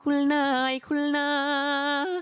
คุณ้ายคุณา